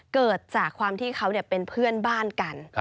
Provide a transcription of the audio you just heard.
เกิดจากความที่เขาเป็นเพื่อนบ้านกัน